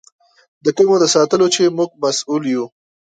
د کومو د ساتلو چې موږ مسؤل یو.